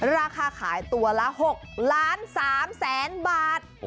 ราคาขายตัวละ๖ล้าน๓แสนบาท